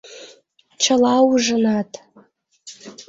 Чыла ужынат!..